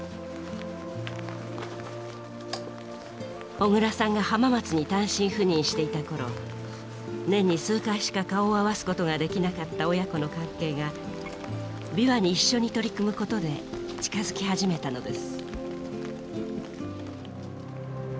小椋さんが浜松に単身赴任していた頃年に数回しか顔を合わすことができなかった親子の関係が琵琶に一緒に取り組むことで近づき始めたのです。